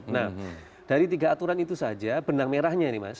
nah dari tiga aturan itu saja benang merahnya ini mas